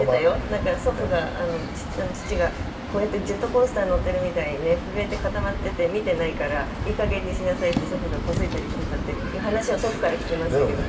なんか祖父が父がこうやってジェットコースターに乗ってるみたいにね震えて固まってて見てないから「いいかげんにしなさい」って祖父が小突いたりしてたっていう話を祖父から聞きましたけど。